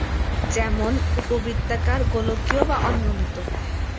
যেমন: উপবৃত্তাকার, গোলকীয়, বা অনিয়মিত।